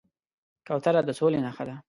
کوتره د سولې نښه ده.